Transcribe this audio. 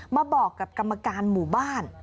มาบอกกับกรรมการหมู่บ้าน